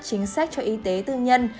chính sách cho y tế tư nhân